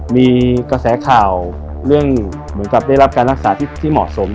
มีกระแสข่าวเรื่องเหมือนกับได้รับการรักษาที่เหมาะสม